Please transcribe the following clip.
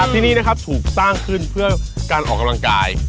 ที่นี่นะครับถูกสร้างขึ้นเพื่อการออกกำลังกาย